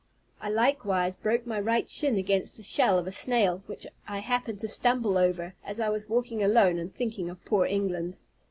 I likewise broke my right shin against the shell of a snail, which I happened to stumble over, as I was walking alone and thinking of poor England.